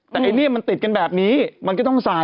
แต่ไอ้เนี่ยมันติดกันแบบนี้มันก็ต้องใส่